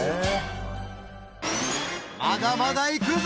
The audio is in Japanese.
まだまだいくぞ！